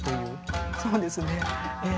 そうですねええ。